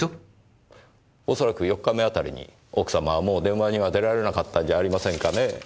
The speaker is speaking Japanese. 恐らく４日目あたりに奥様はもう電話には出られなかったんじゃありませんかねぇ。